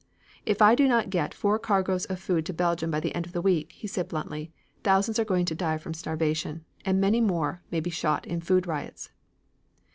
"If I do not get four cargoes of food to Belgium by the end of the week," he said bluntly, "thousands are going to die from starvation, and many more may be shot in food riots."